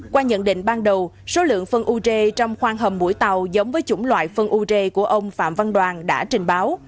qua nhận định ban đầu số lượng phân ure trong khoang hầm mũi tàu giống với chủng loại phân ure của ông phạm văn đoàn đã trình báo